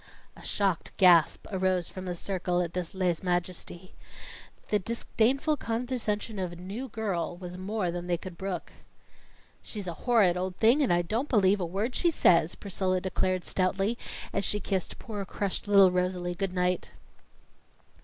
A shocked gasp arose from the circle at this lèse majesté. The disdainful condescension of a new girl was more than they could brook. "She's a horrid old thing, and I don't believe a word she says!" Priscilla declared stoutly, as she kissed poor crushed little Rosalie goodnight.